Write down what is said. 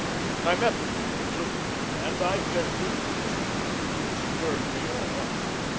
And I met the fellow, too, and I tell you, Miss Dearborn, he stirred me all up.